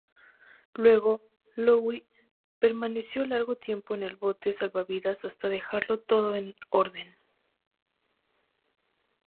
Luego, Lowe permaneció largo tiempo en el bote salvavidas hasta dejarlo todo en orden.